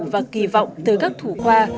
và kỳ vọng tới các thủ khoa